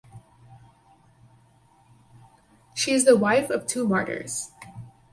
She is the wife of two martyrs.